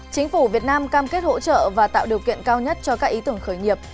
chính phủ việt nam cam kết hỗ trợ và tạo điều kiện cao nhất cho các ý tưởng khởi nghiệp